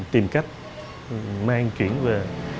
tìm cách mang chuyển về